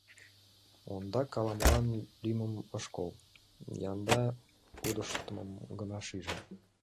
Ондак ала-молан лӱйымым ыш кол, янда пудештмым гына шиже.